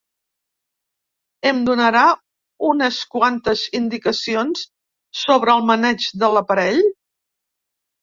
Em donarà unes quantes indicacions sobre el maneig de l'aparell.